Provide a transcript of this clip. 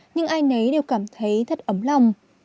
nhưng ai nấy đều cảm thấy thất ấm lòng